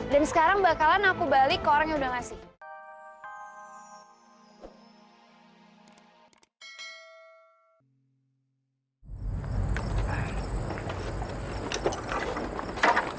dan sekarang bakalan aku balik ke orang yang udah ngasih